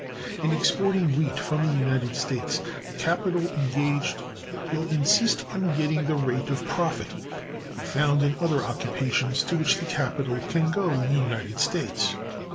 In exporting wheat from the United States the capital engaged will insist on getting the rate of profit to be found in other occupations to which the capital can go, in the United States.